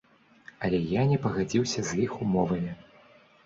Але я не пагадзіўся з іх умовамі.